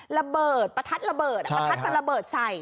ระเบิดประทัดประทัดว่าระเบิดใส่